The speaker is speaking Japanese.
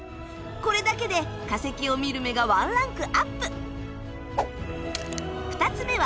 これだけで化石を見る目がワンランクアップ！